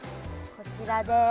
こちらです。